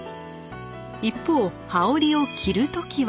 一方羽織を着る時は。